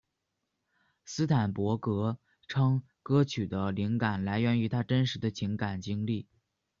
斯坦伯格称歌曲的灵感来源于他的真实情感经历。